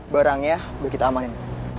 barangnya udah kita amanin